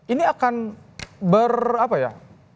ini akan ber apa ya